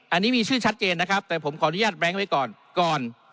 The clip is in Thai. อันนี้มีชื่อชัดเจนนะครับแต่ผมขออนุญาตแบรงค์ไว้ก่อนก่อน